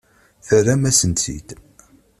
Terram-asen-tt-id.